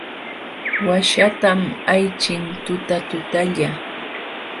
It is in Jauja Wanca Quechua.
Aawaśhtam ayćhin tutatutalla.